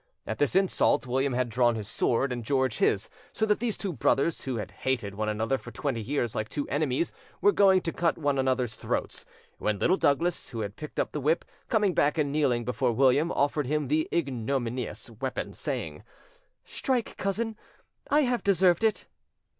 At this insult William had drawn his sword, and George his, so that these two brothers, who had hated one another for twenty years like two enemies, were going to cut one another's throats, when Little Douglas, who had picked up the whip, coming back and kneeling before William, offered him the ignominious weapon, saying, "Strike, cousin; I have deserved it."